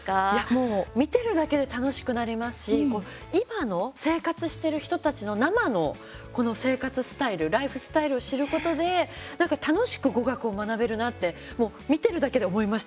もう見てるだけで楽しくなりますし今の生活してる人たちの生の生活スタイルライフスタイルを知ることで楽しく語学を学べるなって見てるだけで思いましたね。